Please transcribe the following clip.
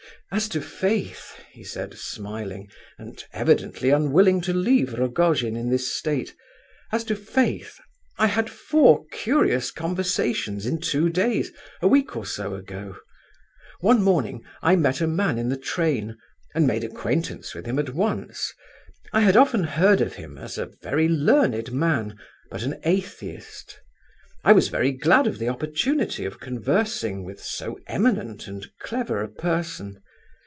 "As to faith," he said, smiling, and evidently unwilling to leave Rogojin in this state—"as to faith, I had four curious conversations in two days, a week or so ago. One morning I met a man in the train, and made acquaintance with him at once. I had often heard of him as a very learned man, but an atheist; and I was very glad of the opportunity of conversing with so eminent and clever a person.